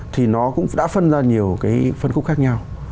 thì nó cũng đã phân ra nhiều cái phân khúc khác nhau